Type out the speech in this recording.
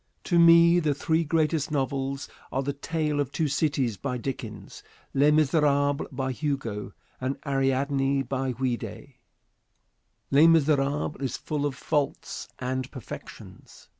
To me the three greatest novels are "The Tale of Two Cities," by Dickens, "Les Miserables," by Hugo, and "Ariadne," by Ouida. "Les Miserables" is full of faults and perfections.